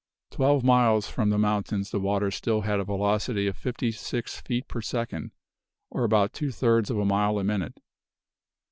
Twelve miles from the mountain the waters still had a velocity of fifty six feet per second, or about two thirds of a mile a minute.